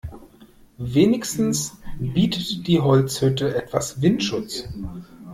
Wenigstens bietet die Holzhütte etwas Windschutz.